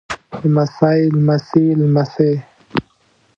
لمسی لمسي لمسې